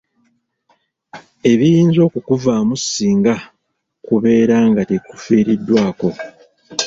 Ebiyinza okukuvaamu singa kubeera nga tekufiiriddwako.